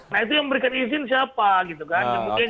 nah itu yang memberikan izin siapa gitu kan